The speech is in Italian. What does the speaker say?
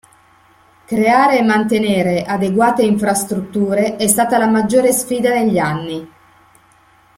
Creare e mantenere adeguate infrastrutture è stata la maggiore sfida negli anni.